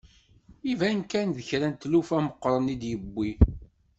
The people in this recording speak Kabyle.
Iban kan d kra n tlufa meqqren i d-yiwi.